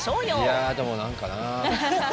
いやあでも何かなあ。